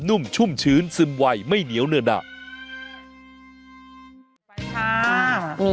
น้ำใช่ไหม